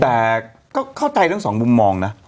แต่ก็เข้าใจทั้งสองมุมมองนะ